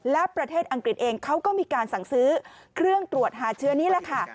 และประเทศอังกฤษเองเขาก็มีการสั่งซื้อเครื่องตรวจหาเชื้อนี่แหละค่ะ